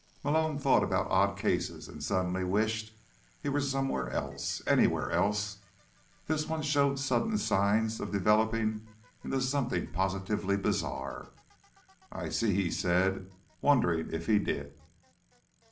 Malone thought about odd cases, and suddenly wished he were somewhere else. Anywhere else. This one showed sudden signs of developing into something positively bizarre. "I see," he said, wondering if he did.